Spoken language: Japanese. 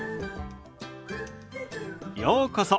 ようこそ。